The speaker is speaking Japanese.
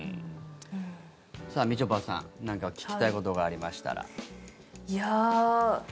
さあ、みちょぱさん、何か聞きたいことがありましたら。